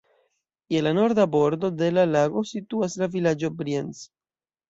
Je la norda bordo de la lago situas la vilaĝo Brienz.